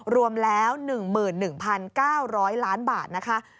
รวมแล้ว๑๑๙๐๐ล้านบาทนะคะ